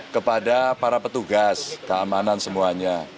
kepada para petugas keamanan semuanya